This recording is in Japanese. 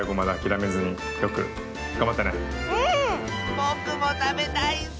ぼくもたべたいッスよ！